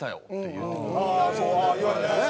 言われたんやね。